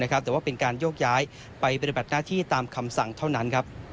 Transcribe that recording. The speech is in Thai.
แต่ว่าเป็นการโยกย้ายไปปฏิบัติหน้าที่ตามคำสั่งเท่านั้น